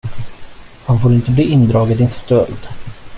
Han får inte bli indragen i stöld.